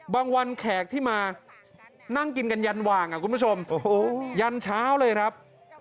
วันแขกที่มานั่งกินกันยันหว่างคุณผู้ชมยันเช้าเลยครับ